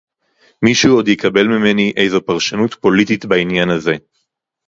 מישהו עוד יקבל ממני איזו פרשנות פוליטית בעניין הזה